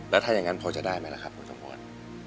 แล้วถ้าอย่างนั้นพอจะได้ไหมล่ะครับคุณสมพร